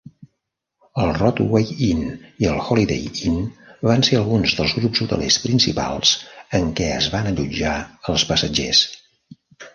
El Rodeway Inn i el Holiday Inn van ser alguns dels grups hotelers principals en què es van allotjar els passatgers.